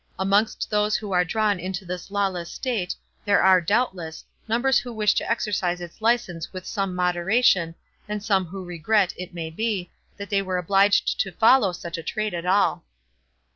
Amongst those who are drawn into this lawless state, there are, doubtless, numbers who wish to exercise its license with some moderation, and some who regret, it may be, that they are obliged to follow such a trade at all."